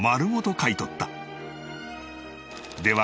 では